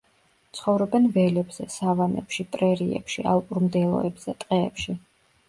ცხოვრობენ ველებზე, სავანებში, პრერიებში, ალპურ მდელოებზე, ტყეებში.